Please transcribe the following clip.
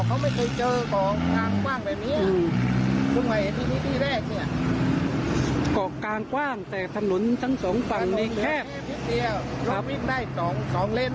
แคบนิดเดียวรถวิ่งได้๒เล่น